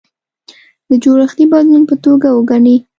د جوړښتي بدلون په توګه وګڼي.